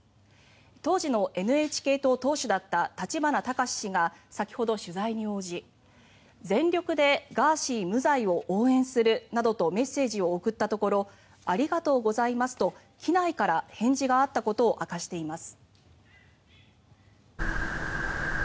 当時のＮＨＫ党党首だった立花孝志氏が先ほど、取材に応じ全力でガーシー無罪を応援するなどとメッセージを送ったところありがとうございますと機内から返事があったことを明かしています。